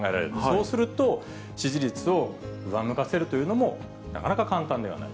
そうすると、支持率を上向かせるというのも、なかなか簡単ではない。